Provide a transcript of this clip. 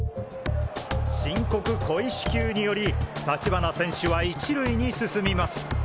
申告故意四球により立花選手は１塁に進みます。